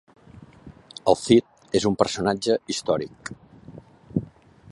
El Cid és un personatge històric.